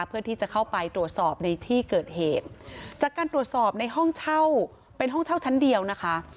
เพื่อที่จะเข้าไปตรวจสอบในที่เกิดเหตุจากการตรวจสอบในห้องเช่าเป็นห้องเช่าชั้นเดียวนะคะ